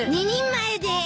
２人前で。